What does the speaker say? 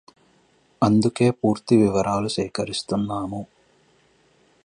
అందుకే పూర్తి వివరాలు సేకరిస్తున్నాము